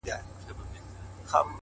• د تل لپاره.